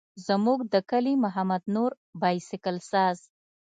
زموږ د کلي محمد نور بایسکل ساز.